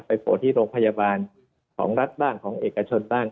โผล่ที่โรงพยาบาลของรัฐบ้างของเอกชนบ้าง